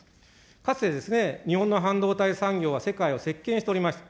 かつて日本の半導体産業は世界を席けんしておりました。